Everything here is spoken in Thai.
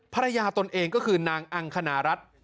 ภรรยาตนเองก็คือนางอังขณะรัฐ